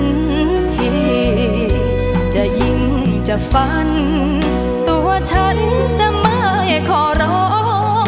ที่จะยิ่งจะฟันตัวฉันจะไม่ขอร้อง